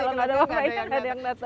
kalau nggak ada wifi nggak ada yang datang